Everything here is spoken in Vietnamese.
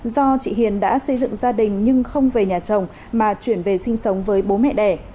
do chị hiền đã xây dựng gia đình nhưng không về nhà chồng mà chuyển về sinh sống với bố mẹ đẻ